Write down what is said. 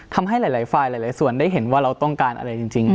ทำให้หลายฝ่ายหลายส่วนได้เห็นว่าเราต้องการอะไรจริง